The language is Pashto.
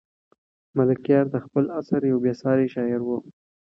ملکیار د خپل عصر یو بې ساری شاعر و.